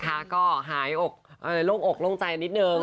นะคะก็หายโรงอกลงใจนิดนึง